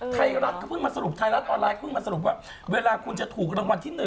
ไทยรัฐก็เพิ่งมาสรุปไทยรัฐออนไลน์เพิ่งมาสรุปว่าเวลาคุณจะถูกรางวัลที่๑